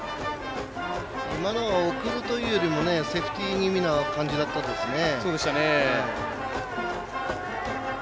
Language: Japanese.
今のは送るというよりもセーフティー気味な感じだったですね。